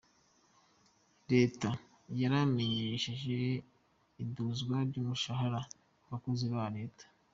Reta yaramenyesheje iduzwa ry'umushahara ku bakozi ba reta.